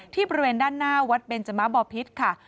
บริเวณด้านหน้าวัดเบนจมะบอพิษค่ะ